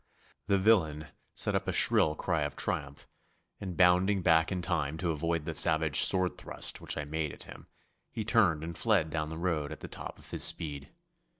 The villain set up a shrill cry of triumph, and bounding back in time to avoid the savage sword thrust which I made at him, he turned and fled down the road at the top of his speed.